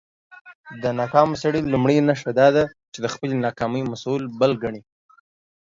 د ناکامه سړى لومړۍ نښه دا ده، چې د خپلى ناکامۍ مسول بل کڼې.